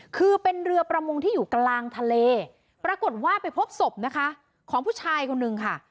คือเป็นเรือประมงที่อยู่กลางทะเลปรากฏว่าไปพบศพนะคะของผู้ชายคนนึงค่ะ